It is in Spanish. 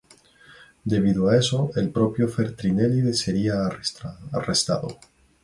Debido a eso el propio Feltrinelli sería arrestado.